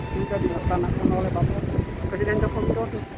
juga dilakukan oleh bapak ibu